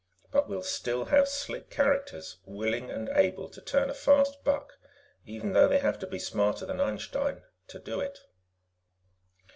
But we'll still have slick characters willing and able to turn a fast buck even though they have to be smarter than Einstein to do it.